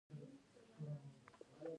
تاریخ د انسان د پرمختګ لارښود دی.